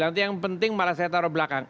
nanti yang penting malah saya taruh belakang